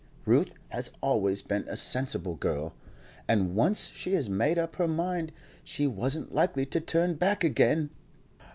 Ruth has always been a sensible girl, and once she has made up her mind she wasn't likely to turn back again."